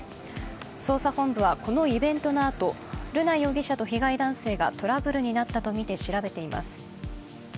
捜査本部はこのイベントのあと瑠奈容疑者と被害男性がトラブルになったとみて調べています。